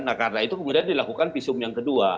nah karena itu kemudian dilakukan visum yang kedua